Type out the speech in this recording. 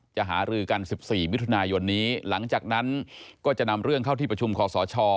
หารือกัน๑๔มิถุนายนนี้หลังจากนั้นก็จะนำเรื่องเข้าที่ประชุมคอสช